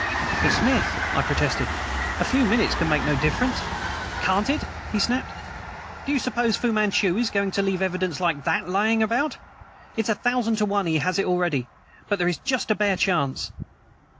"But Smith," I protested, "a few minutes can make no difference!" "Can't it!" he snapped. "Do you suppose Fu Manchu is going to leave evidence like that lying about? It's a thousand to one he has it already, but there is just a bare chance."